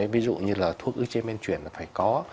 ví dụ như là thuốc ưu chế bên chuyển là phải có